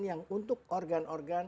yang untuk organ organ